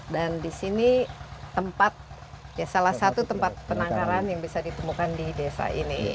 dan di sini tempat ya salah satu tempat penangkaran yang bisa ditemukan di desa ini